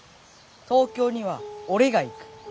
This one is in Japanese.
東京には俺が行く。